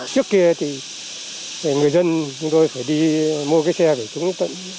trước kia thì người dân chúng tôi phải đi mua cái xe của chúng tận